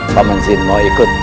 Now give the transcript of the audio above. paman zin mau ikut